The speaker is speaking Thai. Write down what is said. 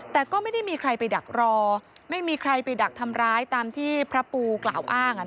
แต่ไม่ได้มีใครได้ดักรอใครได้ไปดักทำร้ายตามที่พระปูอ้าง